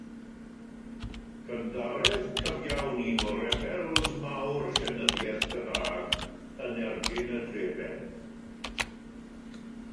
Cynddaredd cyfiawn un o rebels mawr llenyddiaeth Gymraeg yn erbyn y drefn.